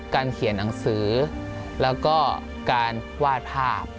เขียนหนังสือแล้วก็การวาดภาพ